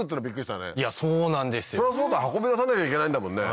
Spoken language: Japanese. そりゃそうか運び出さなきゃいけないんだもんね。